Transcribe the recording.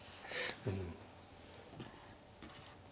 うん。